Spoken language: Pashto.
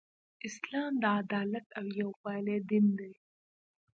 اسلام د عدالت او یووالی دین دی .